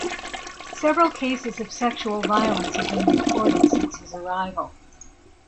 Several cases of sexual violence have been reported since his arrival.